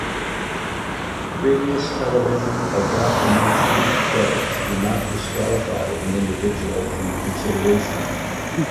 Previous television or documentary credits do not disqualify an individual from consideration.